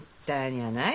はい？